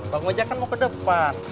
bang ojek kan mau ke depan